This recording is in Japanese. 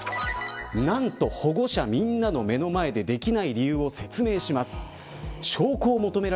なんと保護者みんなの目の前でできない理由を説明します。